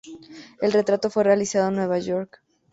El retrato fue realizado en Nueva York.